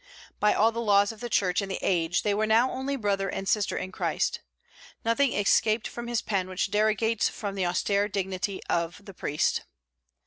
By all the laws of the Church and the age they were now only brother and sister in Christ. Nothing escaped from his pen which derogates from the austere dignity of the priest.